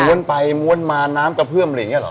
้วนไปม้วนมาน้ำกระเพื่อมอะไรอย่างนี้หรอ